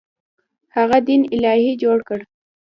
هغه دین الهي جوړ کړ.